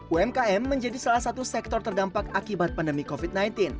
umkm menjadi salah satu sektor terdampak akibat pandemi covid sembilan belas